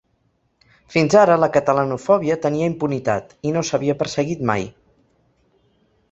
Fins ara la catalanofòbia tenia impunitat, i no s’havia perseguit mai.